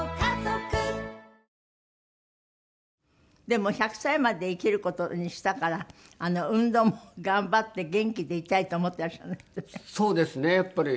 でも１００歳まで生きる事にしたから運動も頑張って元気でいたいと思ってらっしゃるんですってね？